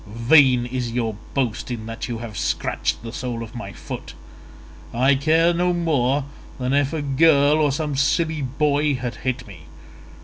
Vain is your boast in that you have scratched the sole of my foot. I care no more than if a girl or some silly boy had hit me.